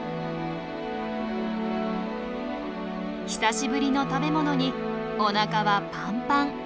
久しぶりの食べ物におなかはパンパン。